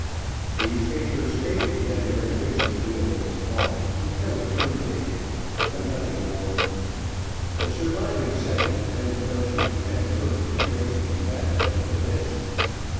These papers stated the manner in which the duel was fought, and how it terminated, but nothing more. The surviving second and the Frenchman have never been traced from that time to this.